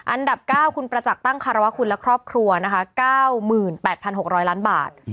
อันดับ๙คุณประจักษ์ตั้งคารวะคุณและครอบครัวนะคะ๙๘๖๐๐ล้านบาท